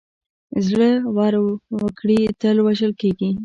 زړه ور وګړي تل وژل کېږي.